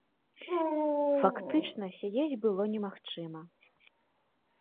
Фактычна сядзець было немагчыма.